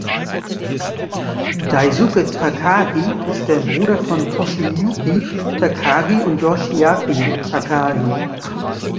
Daisuke Takagi ist der Bruder von Toshiyuki Takagi und Yoshiaki Takagi.